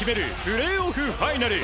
プレーオフファイナル。